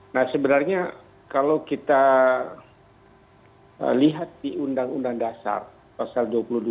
nah sebenarnya kalau kita lihat di undang undang dasar pasal dua puluh dua